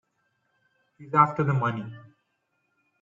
He's after the money.